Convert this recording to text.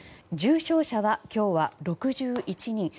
重症者は今日は６１人。